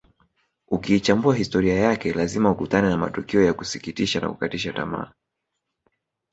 Ukiichambua historia yake lazima ukutane na matukio ya kusikitisha na kukatisha tamaa